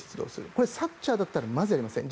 これ、サッチャーだったらまずやりません。